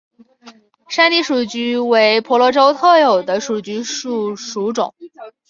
山地树鼩为婆罗洲特有的树鼩属物种。